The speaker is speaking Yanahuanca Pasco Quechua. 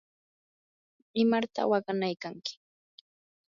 ¿imarta waqanaykanki?